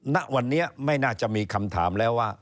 ณวันนี้ไม่น่าจะมีคำถามแล้วว่า